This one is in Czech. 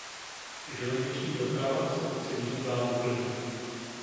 Železniční doprava se obci vyhýbá úplně.